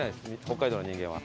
北海道の人間は。